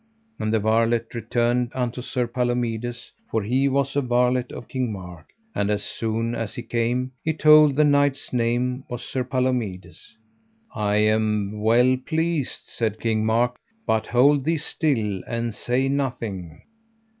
And the varlet returned unto Sir Palomides, for he was a varlet of King Mark. And as soon as he came, he told the knight's name was Sir Palomides. I am well pleased, said King Mark, but hold thee still and say nothing.